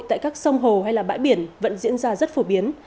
tại các sông hồ hay bãi biển vẫn diễn ra rất phổ biến